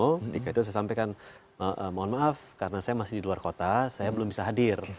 ketika itu saya sampaikan mohon maaf karena saya masih di luar kota saya belum bisa hadir